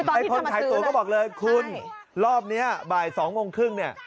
ไอ้คนขายตัวก็บอกเลยคุณรอบนี้บ่าย๒โมงครึ่งเนี่ย